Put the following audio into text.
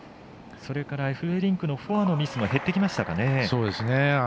それからエフベリンクのフォアのミスも減ってきましたかね。